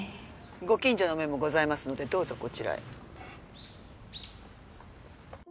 ご近所の目もございますのでどうぞこちらへ。